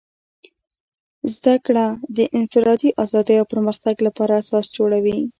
زدهکړه د انفرادي ازادۍ او پرمختګ لپاره اساس جوړوي.